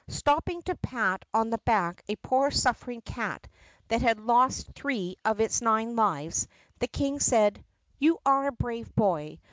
Stopping to pat on the back a poor suffering cat that had lost three of his nine lives the King said, "You are a brave boy.